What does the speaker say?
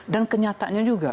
dan kenyataannya juga